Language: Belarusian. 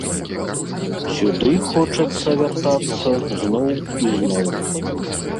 Сюды хочацца вяртацца зноў і зноў.